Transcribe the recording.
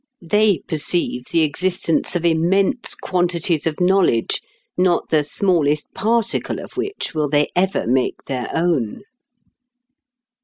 They perceive the existence of immense quantities of knowledge, not the smallest particle of which will they ever make their own.